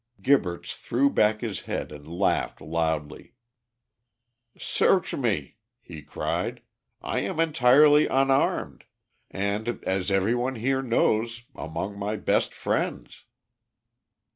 Gibberts threw back his head, and laughed loudly. "Search me," he cried. "I am entirely unarmed, and, as every one here knows, among my best friends."